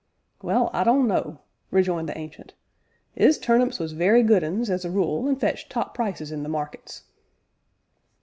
"Well, I don't know," rejoined the Ancient; "'is turnips was very good uns, as a rule, an' fetched top prices in the markets."